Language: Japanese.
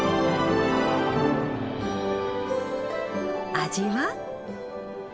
味は？